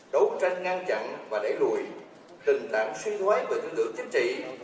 đấu tranh ngăn chặn và đẩy lùi tình trạng suy thoái về tư tưởng chính trị